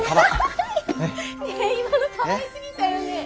今のかわいすぎたよね。